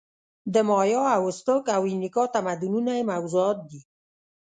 د مایا او ازتک او اینکا تمدنونه یې موضوعات دي.